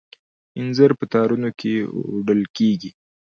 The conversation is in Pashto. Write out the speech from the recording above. انځر په تارونو کې اوډل کیږي.